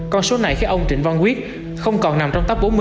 con số này khi ông trịnh văn quyết không còn nằm trong tấm